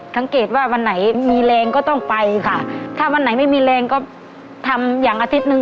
สังเกตว่าวันไหนมีแรงก็ต้องไปค่ะถ้าวันไหนไม่มีแรงก็ทำอย่างอาทิตย์หนึ่ง